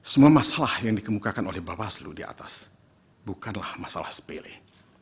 semua masalah yang dikemukakan oleh bawaslu di atas bukanlah masalah sepele